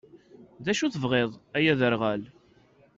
D acu i tebɣiḍ, ay aderɣal?